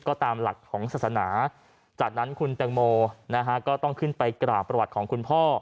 ก็ตามหลักของศาสนาจากนั้นคุณแตงโมนะฮะก็ต้องขึ้นไปกราบประวัติของคุณพ่อ